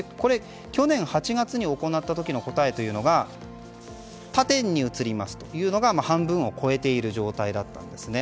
去年８月に行った時の答えというのが他店に移りますというのが半分を超えている状態だったんですね。